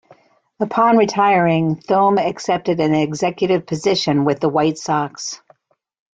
Upon retiring, Thome accepted an executive position with the White Sox.